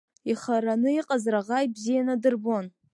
Ихараны иҟаз раӷа ибзианы дырбон.